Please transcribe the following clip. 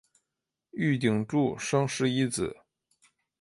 玉鼎柱生十一子。